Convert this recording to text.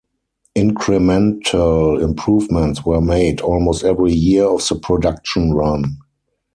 Incremental improvements were made almost every year of the production run.